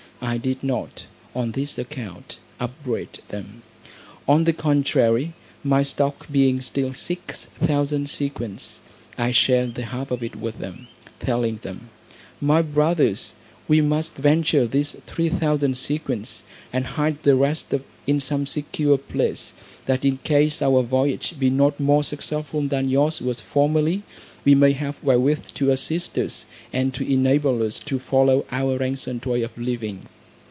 I did not, on this account, upbraid them. On the contrary, my stock being still six thousand sequins, I shared the half of it with them, telling them, "My brothers, we must venture these three thousand sequins, and hide the rest in some secure place: that in case our voyage be not more successful than yours was formerly, we may have wherewith to assist us, and to enable us to follow our ancient way of living."